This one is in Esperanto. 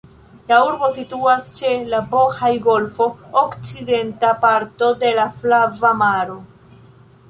La urbo situas ĉe la Bohaj-golfo, okcidenta parto de la Flava Maro.